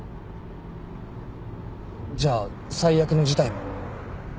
じゃあ最悪の事態も。